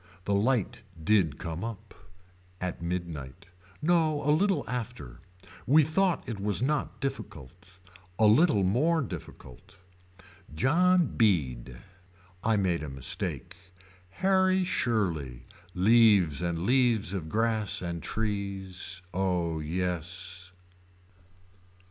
The light did come up. At midnight. No a little after. We thought it was not difficult. A little more difficult. John Beede. I made a mistake. Harry Shirley. Leaves and leaves of grass and trees. Oh yes.